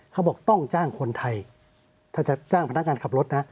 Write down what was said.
เขาบอกต้องจ้างคนไทยถ้าจะจ้างพนักงานขับรถนะ